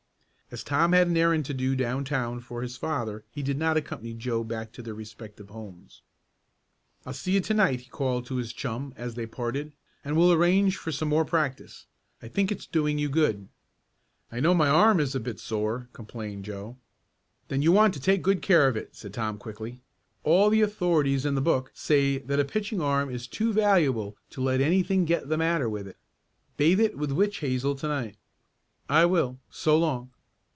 As Tom had an errand to do down town for his father he did not accompany Joe back to their respective homes. "I'll see you to night," he called to his chum, as they parted, "and we'll arrange for some more practice. I think it's doing you good." "I know my arm is a bit sore," complained Joe. "Then you want to take good care of it," said Tom quickly. "All the authorities in the book say that a pitching arm is too valuable to let anything get the matter with it. Bathe it with witch hazel to night." "I will. So long."